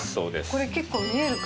これ結構見えるから。